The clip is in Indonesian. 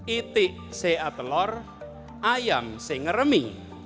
itik se a telor ayam se ngeremi